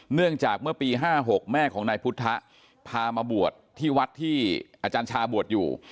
เนื่องจากเมื่อปี๕๖แม่ของนายพุทธพามาบวชที่วัดที่อาจารย์ชาบวชอยู่